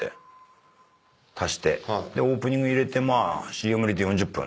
オープニング入れてＣＭ入れて４０分。